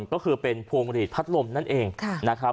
ก็คือเป็นพวงหลีดพัดลมนั่นเองนะครับ